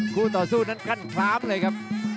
คู่ต่อสู้นั้นขั้นพลามเลยครับ